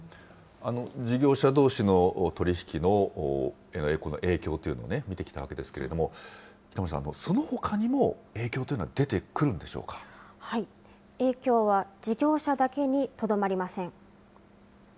事業者どうしの取り引きの影響というのを見てきたわけですけれども、北森さん、そのほかにも影響というのは出てくるんでしょ影響は事業者だけにとどまりません。